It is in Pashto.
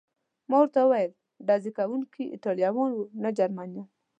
ما ورته وویل: ډزې کوونکي ایټالویان و، نه جرمنیان.